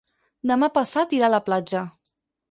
Demà passat irà a la platja.